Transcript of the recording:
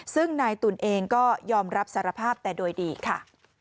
ซึ่งนายตุ๋นเองก็ยอมรับสารภาพแต่โดยดีค่ะ